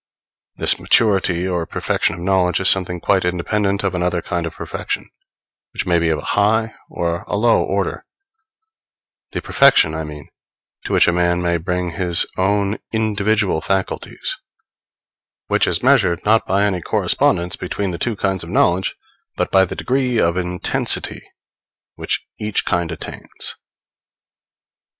This maturity or perfection of knowledge is something quite independent of another kind of perfection, which may be of a high or a low order the perfection, I mean, to which a man may bring his own individual faculties; which is measured, not by any correspondence between the two kinds of knowledge, but by the degree of intensity which each kind attains.